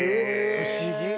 不思議。